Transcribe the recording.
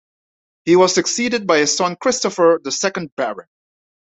He was succeeded by his son Christopher, the second Baron.